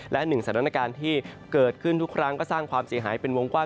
และหนึ่งสถานการณ์ที่เกิดขึ้นทุกครั้งก็สร้างความเสียหายเป็นวงกว้าง